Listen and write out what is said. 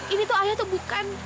ini tuh ayo tuh bukan